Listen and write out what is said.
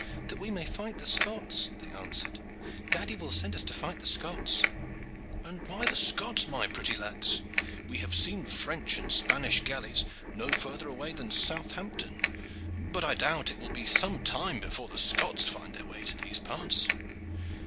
"That we may fight the Scots," they answered. "Daddy will send us to fight the Scots." "And why the Scots, my pretty lads? We have seen French and Spanish galleys no further away than Southampton, but I doubt that it will be some time before the Scots find their way to these parts."